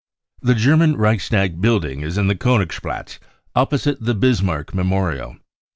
The German Reichstag building is in the Koenigsplatz, opposite the Bismarck memorial.